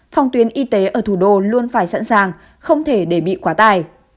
phòng tuyến y tế ở thủ đô luôn phải sẵn sàng không thể để bị quá tài